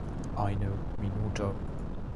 Eine Minute.